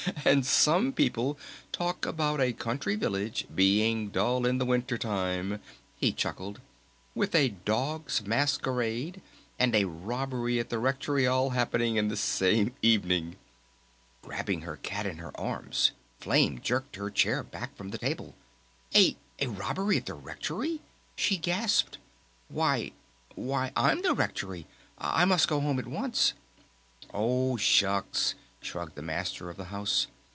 "And some people talk about a country village being dull in the Winter Time!" he chuckled. "With a Dog's Masquerade and a Robbery at the Rectory all happening the same evening!" Grabbing her cat in her arms, Flame jerked her chair back from the table. "A a robbery at the Rectory?" she gasped. "Why why, I'm the Rectory! I must go home at once!" "Oh, Shucks!" shrugged the Master of the House.